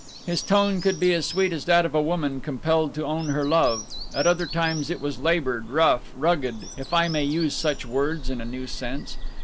His tone could be as sweet as that of a woman compelled to own her love; at other times it was labored, rough, rugged, if I may use such words in a new sense.